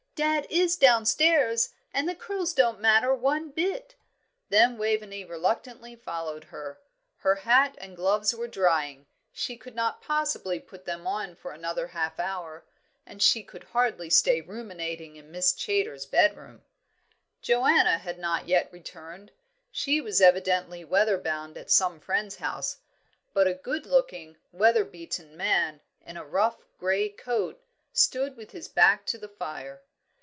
"Dad is downstairs, and the curls don't matter one bit." Then Waveney reluctantly followed her; her hat and gloves were drying; she could not possibly put them on for another half hour, and she could hardly stay ruminating in Miss Chaytor's bedroom. Joanna had not yet returned; she was evidently weather bound at some friend's house, but a good looking, weather beaten man, in a rough grey coat, stood with his back to the fire.